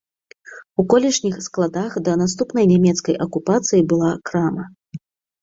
У колішніх складах да наступнай нямецкай акупацыі была крама.